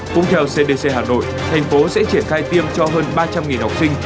cũng theo cdc hà nội thành phố sẽ triển khai tiêm cho hơn ba trăm linh học sinh